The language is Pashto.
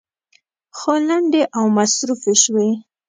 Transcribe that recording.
خو لنډې او مصروفې شوې.